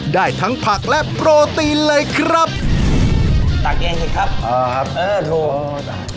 ได้ทั้งผักและโปรตีนเลยครับตักเองสิครับอ๋อครับเออโถจ้ะ